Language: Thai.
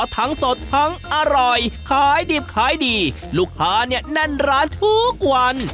สดทั้งอร่อยขายดิบขายดีลูกค้าเนี่ยแน่นร้านทุกวัน